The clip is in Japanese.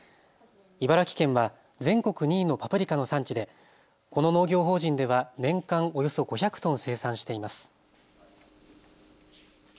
茨城県は全国２位のパプリカの産地でこの農業法人では年間およそ５００トン生産しています。